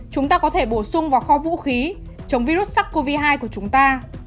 chúng ta cần bổ sung vào kho vũ khí chống virus sars cov hai của chúng ta